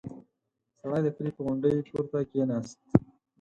سړی د کلي په غونډۍ پورته کې ناست و.